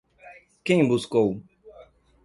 Quem buscou?